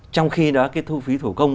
trong khi đó cái thu phí thủ công